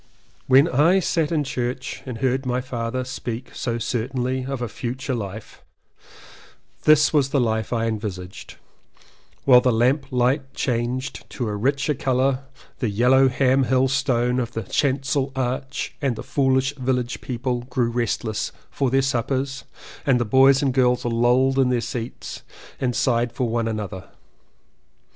When I sat in Church and heard my father speak so certainly of a future life — this was the future life I envisaged, while the lamp light changed to a richer colour the yellow Ham Hill stone of the Chancel arch and the foolish village people grew restless for their suppers and the boys and girls lolled in their seats and sighed for one another.